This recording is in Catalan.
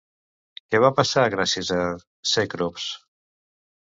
Què va passar gràcies a Cècrops?